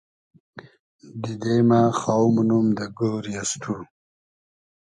دیدې مۂ خاو مونوم دۂ گۉری از تو